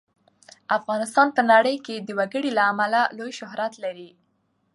افغانستان په نړۍ کې د وګړي له امله لوی شهرت لري.